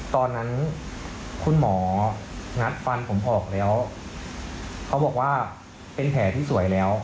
ตอนนั้นคุณหมองัดฟันผมออกแล้วเขาบอกว่าเป็นแผลที่สวยแล้ว